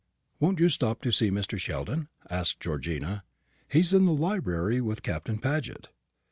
"Won't you stop to see Mr. Sheldon?" asked Georgina; "he's in the library with Captain Paget.